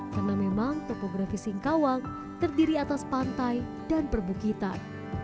karena memang topografi singkawang terdiri atas pantai dan perbukitan